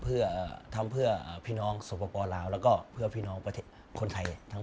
พูดถึงเพลงคำแพงนั้นตอนนี้ไม่ได้เป็นสมสัญใจของ